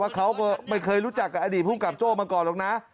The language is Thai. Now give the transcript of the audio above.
เขาก็ไม่เคยรู้จักกับอดีตภูมิกับโจ้มาก่อนหรอกนะ